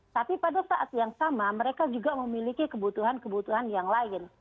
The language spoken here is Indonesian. tapi pada saat yang sama mereka juga memiliki kebutuhan kebutuhan yang lain